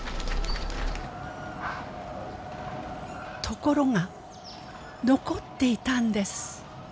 ところが残っていたんです。